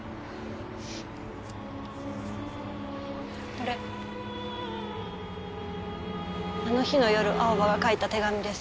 これあの日の夜青葉が書いた手紙です